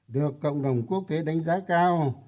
được cộng đồng quốc tế đánh giá cao